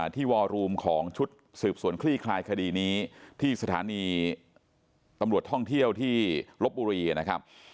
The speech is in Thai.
วอรูมของชุดสืบสวนคลี่คลายคดีนี้ที่สถานีตำรวจท่องเที่ยวที่ลบบุรีนะครับ